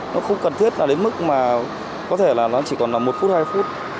nó không cần thiết là đến mức mà có thể là nó chỉ còn là một phút hai phút